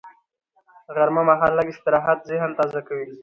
غرمه مهال لږ استراحت ذهن تازه کوي